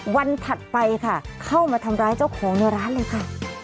ถัดไปค่ะเข้ามาทำร้ายเจ้าของในร้านเลยค่ะ